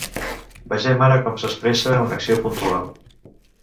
Vegem ara com s'expressa una acció puntual.